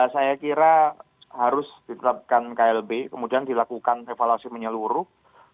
saya kira harus ditetapkan klb kemudian dilakukan evaluasi menyeluruh